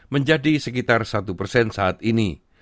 menjadi sekitar satu persen saat ini